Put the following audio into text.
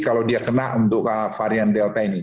kalau dia kena untuk varian delta ini